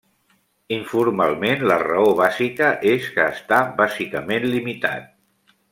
Informalment, la raó bàsica és que està bàsicament limitat.